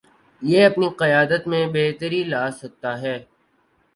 یہ اپنی قیادت میں بہتری لاسکتا ہے۔